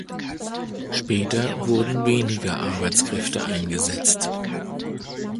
Später wurden weniger Arbeitskräfte eingesetzt.